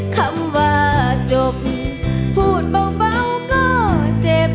คำว่าจบพูดเบาก็เจ็บ